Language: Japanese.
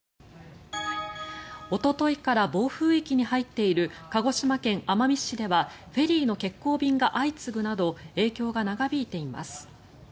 おとといから暴風域に入っている鹿児島県奄美市ではフェリーの欠航便が相次ぐなど影響が長引いています。